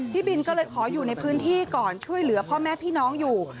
พี่บินก็เลยขออยู่ในพื้นที่ก่อนช่วยเหลือพ่อแม่พี่น้องอยู่